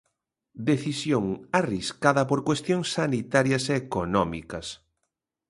Decisión arriscada por cuestións sanitarias e económicas.